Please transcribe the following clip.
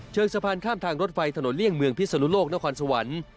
สะพานข้ามทางรถไฟถนนเลี่ยงเมืองพิศนุโลกนครสวรรค์